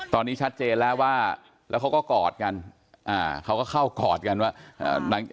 ตอนนี้ชัดเจนแล้วว่าแล้วเขาก็กอดกันอ่าเขาก็เข้ากอดกันว่า